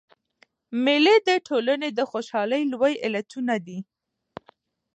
مېلې د ټولني د خوشحالۍ لوی علتونه دي.